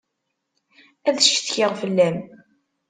Ad ccetkiɣ fell-am.